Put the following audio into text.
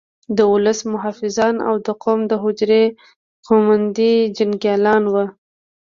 د ولس محافظان او د قوم د حجرې قوماندې جنګیالي وو.